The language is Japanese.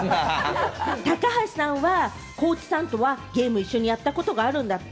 高橋さんは高地さんとはゲーム一緒にやったことがあるんだって？